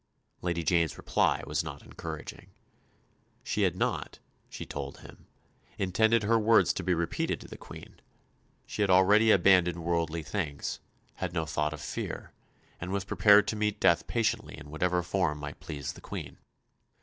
Lady Jane's reply was not encouraging. She had not, she told him, intended her words to be repeated to the Queen; she had already abandoned worldly things, had no thought of fear, and was prepared to meet death patiently in whatsoever form might please the Queen.